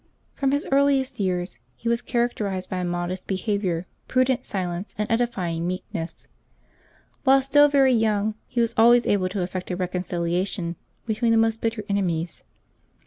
From his earliest years he was characterized by a modest behavior, prudent silence, and edifying meekness. While still very young he was always able to effect a reconcilia tion between the most bitter enemies.